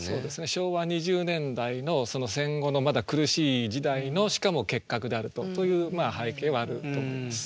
昭和２０年代の戦後のまだ苦しい時代のしかも結核であるという背景はあると思います。